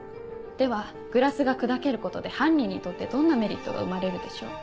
ではグラスが砕けることで犯人にとってどんなメリットが生まれるでしょう？